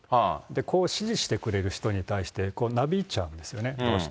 こう指示してくれる人に対して、なびいちゃうんですよね、どうし